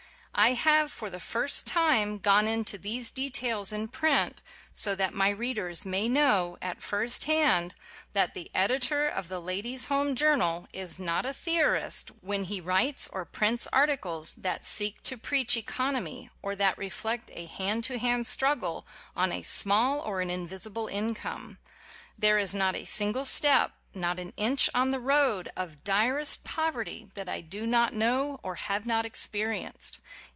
I have for the first time gone into these details in print so that my read ers may know, at first hand, that the Editor of the "Ladies' Home Journal" 11 WHY I BELIEVE IN PO\^RTY is not a theorist when he writes or prints articles that seek to preach economy or that reflect a hand to hand struggle on a small or an invisible income. There is not a single step, not an inch, on the road of direst poverty that I do not know or have not experi enced.